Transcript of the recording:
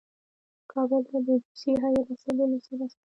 کابل ته د روسي هیات رسېدلو سره سم.